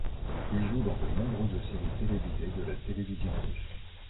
Il joue dans de nombreuses séries télévisées de la télévision russe.